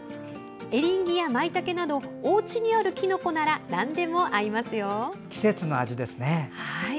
エリンギや、まいたけなどおうちにあるきのこならなんでも合いますよ。